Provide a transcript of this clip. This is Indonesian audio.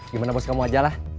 gimana bos kamu ajalah